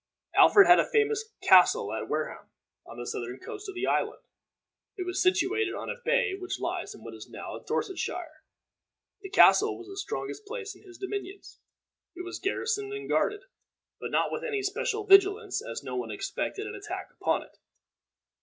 Alfred had a famous castle at Wareham, on the southern coast of the island. It was situated on a bay which lies in what is now Dorsetshire. This castle was the strongest place in his dominions. It was garrisoned and guarded, but not with any special vigilance, as no one expected an attack upon it.